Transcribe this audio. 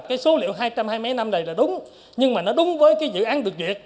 cái số liệu hai trăm hai mươi mấy năm này là đúng nhưng mà nó đúng với cái dự án được duyệt